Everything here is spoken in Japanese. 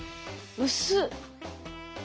薄っ！